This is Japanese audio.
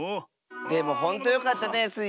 でもほんとよかったねスイ